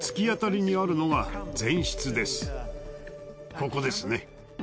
ここですね。